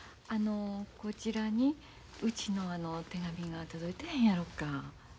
あのこちらにうちの手紙が届いてへんやろか。